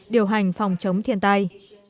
điều hành phòng chống thiên tai